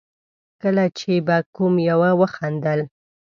کله چې به کوم يوه وخندل.